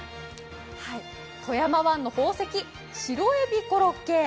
富山湾の宝石シロエビコロッケ。